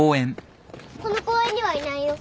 この公園にはいないよ。